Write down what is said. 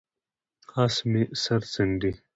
اس مې سر څنډي،